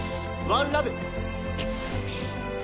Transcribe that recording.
ワンラブ。